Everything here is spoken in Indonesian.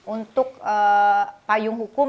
untuk payung hukum